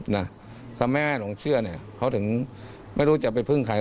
นะถ้าแม่หลงเชื่อเนี่ยเขาถึงไม่รู้จะไปพึ่งใคร